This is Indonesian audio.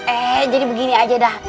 eh jadi begini aja dah